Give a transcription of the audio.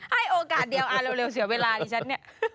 ให้โอกาสเดียวเร็วเสียเวลาดิฉันเนี่ย